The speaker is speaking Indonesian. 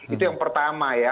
itu yang pertama ya